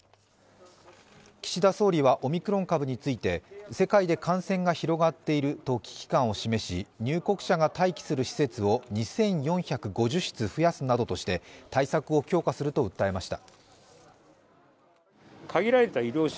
岸田総理は、オミクロン株について世界で感染が広がっていると危機感を示し、入国者が待機する施設を２４５０室増やすなどとして対策を強化すると訴えました。